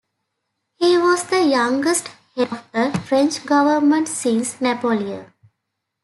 He was the youngest head of a French government since Napoleon.